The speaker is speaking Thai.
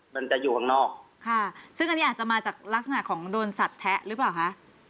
มันจะอยู่ข้างนอกค่ะซึ่งอันนี้อาจจะมาจากลักษณะของโดนสัตว์แทะหรือเปล่าคะ